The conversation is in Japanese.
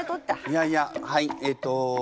いやいやはいえっと。